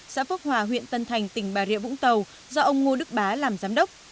xã phước hòa huyện tân thành tỉnh bà rịa vũng tàu do ông ngô đức bá làm giám đốc